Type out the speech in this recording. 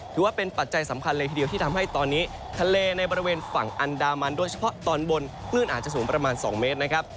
ปัจจัยสำคัญเลยทีเดียวที่ทำให้ตอนนี้ทะเลในบริเวณฝั่งอันดามันโดยเฉพาะตอนบนคลื่นอาจจะสูงประมาณ๒เมตรนะครับ